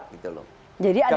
jadi ada unsur apa ya